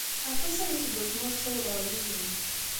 Aṭas aya seg wasmi ur ssawleɣ yid-m.